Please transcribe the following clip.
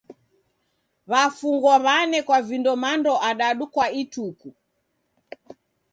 W'afungwa w'anekwa vindo mando adadu kwa ituku.